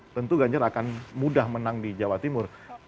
tentu ganjar akan mudah menang di jawa timur